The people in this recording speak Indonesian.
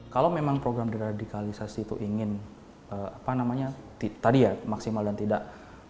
kalau memang program deradikalisasi itu ingin apa namanya tadi ya maksimal dan tidak